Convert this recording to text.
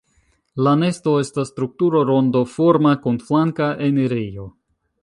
La nesto estas strukturo rondoforma kun flanka enirejo.